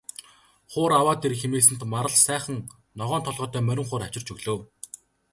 Хуур аваад ир хэмээсэнд Марал сайхан ногоон толгойтой морин хуур авчирч өглөө.